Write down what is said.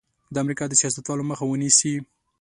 د امریکا د سیاستوالو مخه ونیسي.